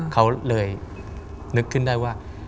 เขาเลยนึกขึ้นได้ว่า